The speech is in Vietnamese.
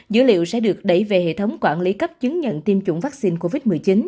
dữ liệu sẽ được đẩy về hệ thống quản lý cấp chứng nhận tiêm chủng vaccine covid một mươi chín